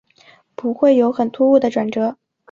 不会有很突兀的转折